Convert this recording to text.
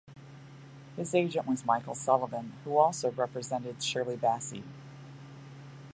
His agent was Michael Sullivan, who also represented Shirley Bassey.